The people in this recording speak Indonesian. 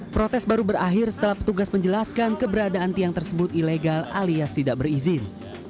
protes baru berakhir setelah petugas menjelaskan keberadaan tiang tersebut ilegal alias tidak berizin